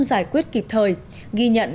giải quyết kịp thời ghi nhận